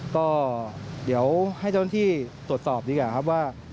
ก็เดี๋ยวให้เจ้าหน้าที่ตรวจสอบดีกว่าครับว่า